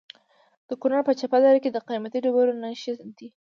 د کونړ په چپه دره کې د قیمتي ډبرو نښې دي.